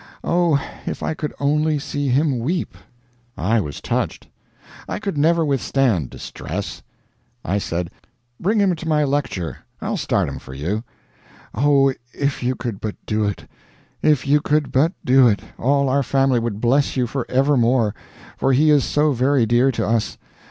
Oh, if I could only see him weep!" I was touched. I could never withstand distress. I said: "Bring him to my lecture. I'll start him for you." "Oh, if you could but do it! If you could but do it, all our family would bless you for evermore for he is so very dear to us.